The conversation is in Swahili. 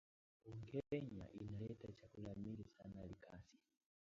Bunkeya inaletaka chakula mingi sana likasi